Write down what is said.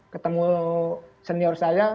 ketemu senior saya